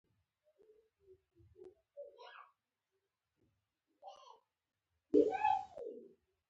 آیا د سولر بیترۍ بدلول غواړي؟